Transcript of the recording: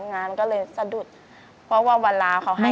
งานก็เลยสะดุดเพราะว่าเวลาเขาให้